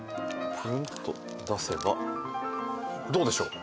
プルンと出せばどうでしょう？